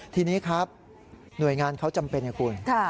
ทีนี้ครับหน่วยงานเขาจำเป็นไงคุณ